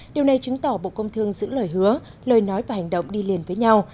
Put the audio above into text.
điều này chứng tỏ bộ công thương giữ lời hứa lời nói và hành động đi liền với nhau